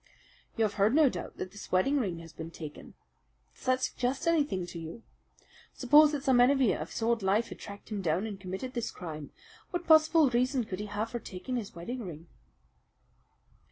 "You have heard, no doubt, that his wedding ring has been taken. Does that suggest anything to you? Suppose that some enemy of his old life had tracked him down and committed this crime, what possible reason could he have for taking his wedding ring?"